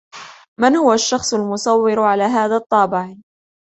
من هو الشخص المصور على هذا الطابع ؟